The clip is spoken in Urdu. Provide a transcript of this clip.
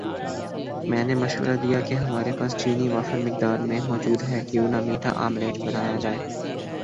میں نے مشورہ دیا کہ ہماری پاس چینی وافر مقدار میں موجود ہے کیوں نہ میٹھا آملیٹ بنایا جائے